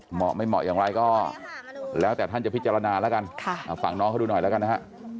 เหมาะไม่เหมาะอย่างไรก็แล้วแต่ท่านจะพิจารณาแล้วกันฟังน้องเขาดูหน่อยแล้วกันนะฮะ